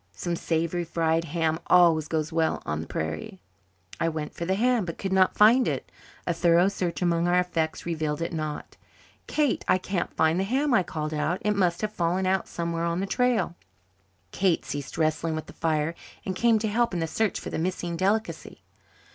Some savoury fried ham always goes well on the prairie." I went for the ham but could not find it. A thorough search among our effects revealed it not. "Kate, I can't find the ham," I called out. "It must have fallen out somewhere on the trail." Kate ceased wrestling with the fire and came to help in the search for the missing delicacy.